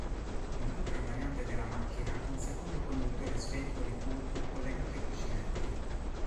Un'altra variante della macchina ha un secondo conduttore sferico ricurvo collegato ai cuscinetti.